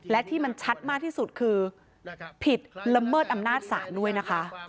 และที่มันชัดมากที่สุดคือผิดละเมิดอำนาจศาลด้วยนะคะ